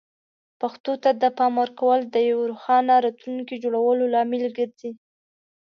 پښتو ته د پام ورکول د یوې روښانه راتلونکې جوړولو لامل ګرځي.